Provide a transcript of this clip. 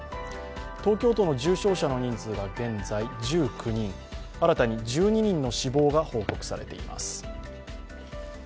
東京都の重症者の人数が現在１９人新たに１２人の死亡が報告されています。